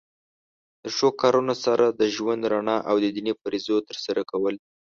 د ښو کارونو سره د ژوند رڼا او د دینی فریضو تر سره کول.